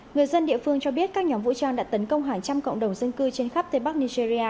người dân địa phương cho biết các nhóm vũ trang đã tấn công hàng trăm cộng đồng dân cư trên khắp tây bắc nigeria